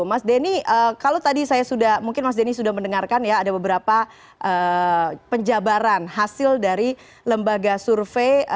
mas denny kalau tadi saya sudah mungkin mas denny sudah mendengarkan ya ada beberapa penjabaran hasil dari lembaga survei